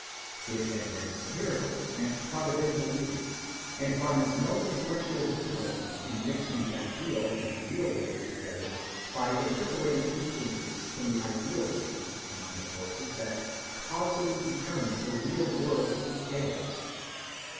It admits miracles and providential leadings, and finds no intellectual difficulty in mixing the ideal and the real worlds together by interpolating influences from the ideal region among the forces that causally determine the real world's details.